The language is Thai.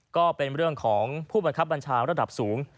ก็เป็นเรื่องของผู้บังคับบัญชาระดับสูง